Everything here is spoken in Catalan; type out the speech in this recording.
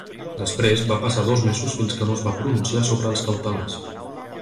Després, va passar dos mesos fins que no es va pronunciar sobre les cautelars.